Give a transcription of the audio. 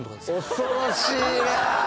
恐ろしいなぁ。